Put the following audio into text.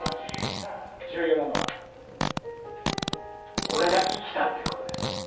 重要なのは俺が生きたってことです。